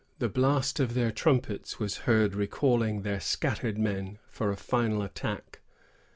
The blast of their trumpets was heard recalling their scattered men for a final attack.